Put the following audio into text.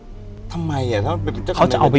อยู่ที่แม่ศรีวิรัยิลครับ